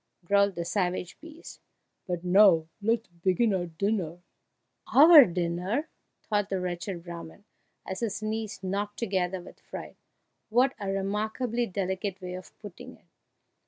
growled the savage beast, "but now let us begin our dinner." "Our dinner!" thought the wretched Brahman, as his knees knocked together with fright; "what a remarkably delicate way of putting it!"